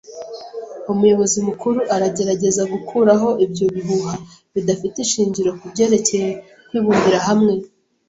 Umuyobozi mukuru aragerageza gukuraho ibyo bihuha bidafite ishingiro kubyerekeye kwibumbira hamwe.